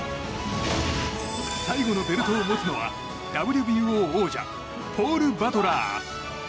最後のベルトを持つのはＷＢＯ王者、ポール・バトラー。